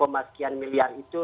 dua puluh enam sekian miliar itu